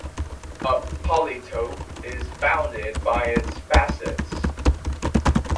A polytope is bounded by its facets.